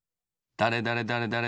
だれだれだれだれ